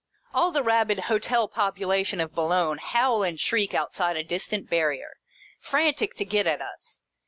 All the rabid Hotel population of Boulogne howl and shriek outside a distant barrier, frantic to get at us.